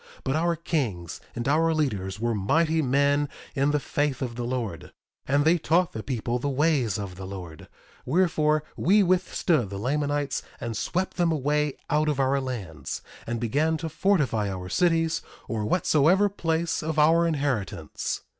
But our kings and our leaders were mighty men in the faith of the Lord; and they taught the people the ways of the Lord; wherefore, we withstood the Lamanites and swept them away out of our lands, and began to fortify our cities, or whatsoever place of our inheritance.